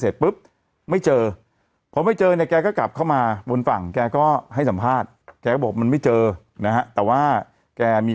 ทำไมน้องเขาถึงเอวอ๋อเขาเต้นท่านี้